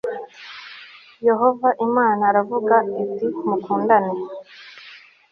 yehova imana aravuga ati mukundane